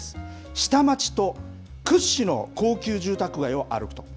下町と屈指の高級住宅街を歩くと。